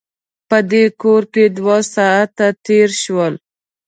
په دې کور کې دوه ساعته تېر شول.